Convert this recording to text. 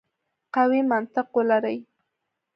قوي منطق ولري.